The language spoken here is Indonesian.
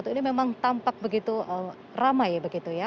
ini memang tampak begitu ramai begitu ya